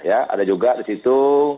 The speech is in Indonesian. ada juga di situ